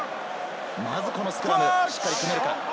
まずスクラム、しっかり組めるか。